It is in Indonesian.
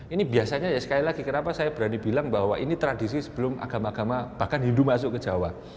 ini biasanya ya sekali lagi kenapa saya berani bilang bahwa ini tradisi sebelum agama agama bahkan hindu masuk ke jawa